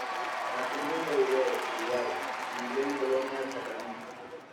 Nació en Montevideo, Uruguay, y vivió en Colonia del Sacramento.